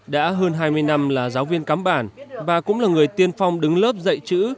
đã hơn hai mươi năm là giáo viên cắm bản và cũng là người tiên phong đứng lớp dạy chữ